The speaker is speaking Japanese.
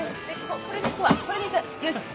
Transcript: これでいくわこれでいくよし！